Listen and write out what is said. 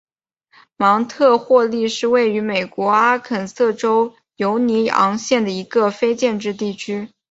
芒特霍利是位于美国阿肯色州犹尼昂县的一个非建制地区。